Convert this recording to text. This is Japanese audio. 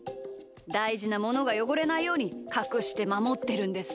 だいじなものがよごれないようにかくしてまもってるんです。